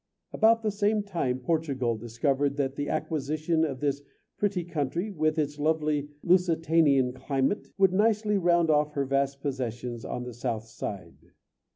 About the same time, Portugal discovered that the acquisition of this pretty country, with its lovely Lusitanian climate, would nicely round off her vast possessions on the south side.